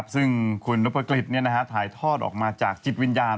ซึ่งคุณนพกฤษถ่ายทอดออกมาจากจิตวิญญาณ